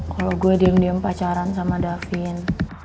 kalau gue diem diem pacaran sama davin